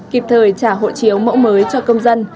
kịp thời trả hộ chiếu mẫu mới cho công dân